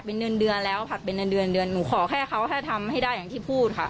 เป็นเดือนเดือนแล้วผัดเป็นเดือนเดือนหนูขอแค่เขาแค่ทำให้ได้อย่างที่พูดค่ะ